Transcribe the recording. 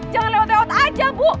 jangan lewat lewat aja bu